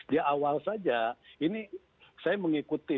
di awal saja ini saya mengikuti